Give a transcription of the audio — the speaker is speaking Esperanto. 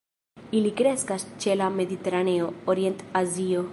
Ili kreskas ĉe la Mediteraneo, Orient-Azio.